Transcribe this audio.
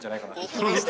できました！